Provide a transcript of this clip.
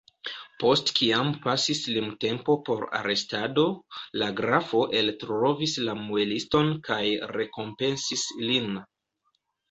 Post kiam pasis limtempo por arestado, la grafo eltrovis la mueliston kaj rekompensis lin.